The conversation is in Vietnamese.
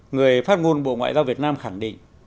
người phát ngôn bộ ngoại giao việt nam khẳng định